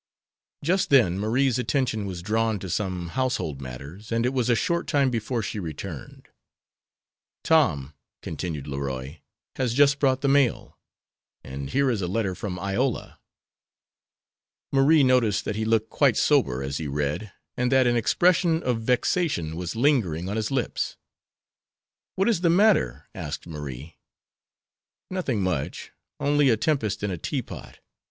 Just then Marie's attention was drawn to some household matters, and it was a short time before she returned. "Tom," continued Leroy, "has just brought the mail, and here is a letter from Iola." Marie noticed that he looked quite sober as he read, and that an expression of vexation was lingering on his lips. "What is the matter?" asked Marie. "Nothing much; only a tempest in a teapot.